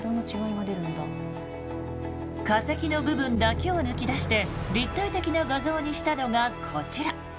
化石の部分だけを抜き出して立体的な画像にしたのがこちら。